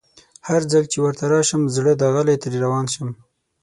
هرځل چي ورته راشم زړه داغلی ترې روان شم